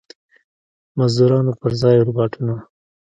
مزدورانو پر ځای روباټونه.